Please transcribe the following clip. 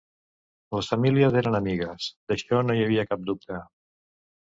Les famílies eren amigues, d'això no hi havia cap dubte.